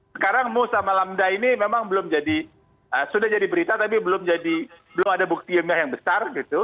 sekarang mu sama lamda ini memang belum jadi sudah jadi berita tapi belum ada bukti ilmiah yang besar gitu